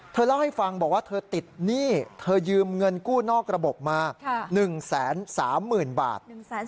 เล่าให้ฟังบอกว่าเธอติดหนี้เธอยืมเงินกู้นอกระบบมา๑๓๐๐๐บาท